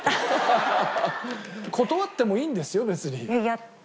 断ってもいいんですよ別に。